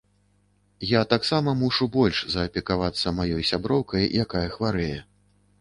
Я таксама мушу больш заапекавацца маёй сяброўкай, якая хварэе.